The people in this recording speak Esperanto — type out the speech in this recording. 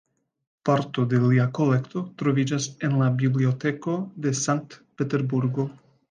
Parto de lia kolekto troviĝas en la Biblioteko de Sankt-Peterburgo.